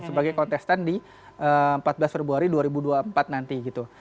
sebagai kontestan di empat belas februari dua ribu dua puluh empat nanti gitu